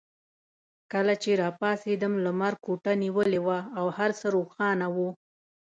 کله چې راپاڅېدم لمر کوټه نیولې وه او هر څه روښانه وو.